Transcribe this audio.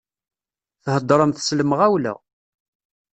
Theddṛemt s lemɣawla.